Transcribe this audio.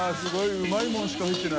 うまいものしか入ってない。